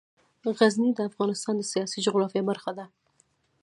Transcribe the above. غزني د افغانستان د سیاسي جغرافیه برخه ده.